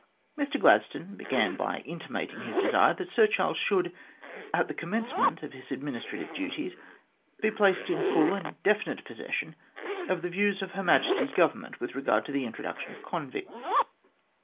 Mr Gladstone began by intimating his desire that Sir Charles should, at the commencement of his administrative duties, be placed in full and definite possession of the views of Her Majesty's Government with regard to the introduction of convicts.